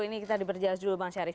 ini kita diperjelas dulu bang syarif